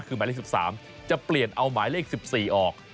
คือหมายเลข๑๓จะเปลี่ยนเอาหมายเลข๑๔ออก